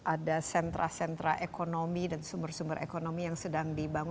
ada sentra sentra yang berkembang